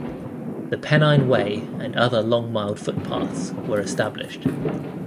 The Pennine Way and other long-miled footpaths were established.